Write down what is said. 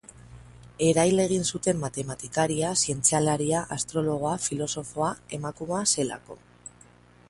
Erail egin zuten matematikaria, zientzialaria, astrologoa, filosofoa, emakumea zelako.